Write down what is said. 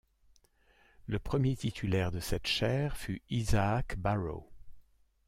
Le premier titulaire de cette chaire fut Isaac Barrow.